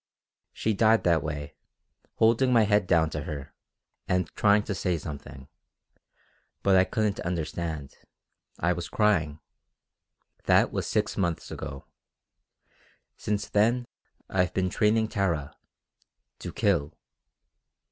She died that way, holding my head down to her, and trying to say something. But I couldn't understand. I was crying. That was six months ago. Since then I've been training Tara to kill."